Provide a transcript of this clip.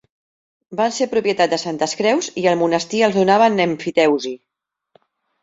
Van ser propietat de Santes Creus i el monestir els donava en emfiteusi.